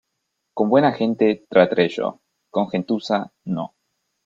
Con buena gente, trataré yo; con gentuza, no.